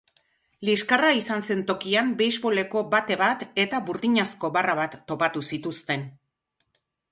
Liskarra izan zen tokian beisboleko bate bat eta burdinazko barra bat topatu zituzten.